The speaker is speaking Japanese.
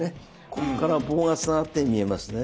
ここから棒がつながって見えますね。